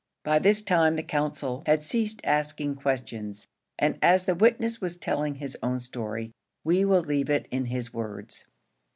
By this time the counsel had ceased asking questions, and as the witness was telling his own story, we will leave it in his words.